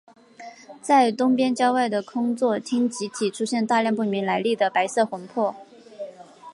在东边郊外的空座町集体出现大量不明来历的白色魂魄。